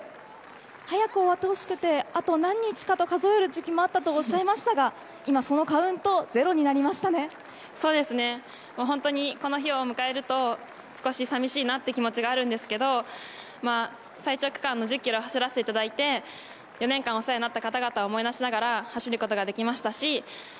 早く終わってほしくてあと何日かと数える時期もあったとおっしゃっていましたがそのカウントそうですね、本当にこの日を迎えると少し寂しいなという気持ちがあるんですけど最長区間の１０キロを走らせていただいて４年間、お世話になった方々を思い出しながら走ることができましたし